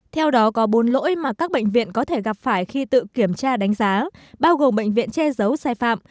theo đó có bốn lỗi mà các bệnh viện có thể gặp phải khi tự kiểm tra đánh giá bao gồm bệnh viện che giấu sai phạm